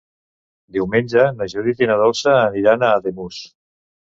Diumenge na Judit i na Dolça aniran a Ademús.